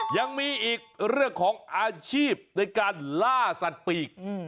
ยังมีอีกเรื่องของอาชีพในการล่าสัตว์ปีก